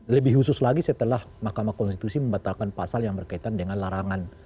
lebih khusus lagi setelah mahkamah konstitusi membatalkan pasal yang berkaitan dengan larangan